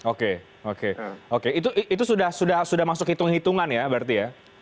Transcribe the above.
oke oke itu sudah masuk hitung hitungan ya berarti ya